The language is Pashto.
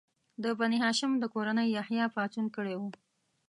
د بني هاشم د کورنۍ یحیی پاڅون کړی و.